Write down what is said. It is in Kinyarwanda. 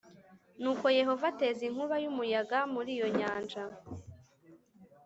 nuko yehova ateza inkuba y umuyaga muri iyo nyanja